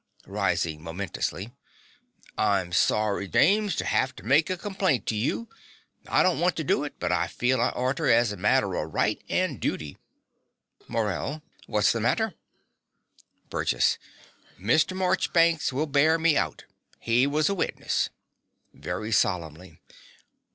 (Rising momentously.) I'm sorry, James, to 'ave to make a complaint to you. I don't want to do it; but I feel I oughter, as a matter o' right and duty. MORELL. What's the matter? BURGESS. Mr. Morchbanks will bear me out: he was a witness. (Very solemnly.)